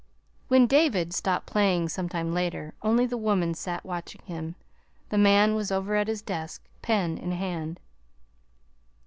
When David stopped playing some time later, only the woman sat watching him the man was over at his desk, pen in hand.